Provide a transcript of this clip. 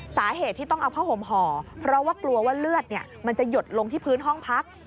สาเหตุที่ต้องเอาผ้าห่มห่อเพราะว่ากลัวว่าเลือดมันจะหยดลงที่พื้นห้องพัก